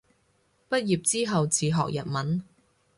畢業之後自學日文